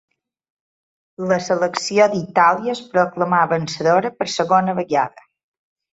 La selecció d'Itàlia es proclamà vencedora per segona vegada.